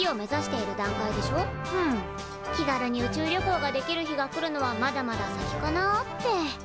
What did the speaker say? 気軽に宇宙旅行ができる日が来るのはまだまだ先かなって。